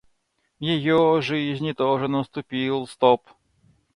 в ее жизни тоже наступил стоп.